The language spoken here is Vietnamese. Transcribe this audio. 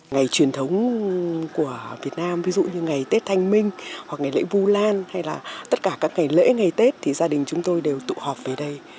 ngày truyền thống của việt nam ví dụ như ngày tết thanh minh hoặc ngày lễ vu lan hay là tất cả các ngày lễ ngày tết thì gia đình chúng tôi đều tụ họp về đây